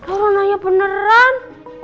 orang nanya beneran